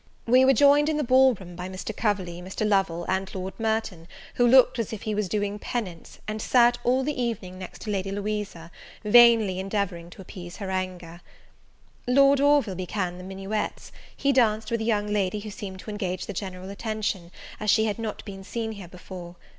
We were joined in the ball room by Mr. Coverley, Mr. Lovel, and Lord Merton, who looked as if he was doing penance, and sat all the evening next to Lady Louisa, vainly endeavouring to appease her anger. Lord Orville began the minuets: he danced with a young lady who seemed to engage the general attention, as she had not been seen here before.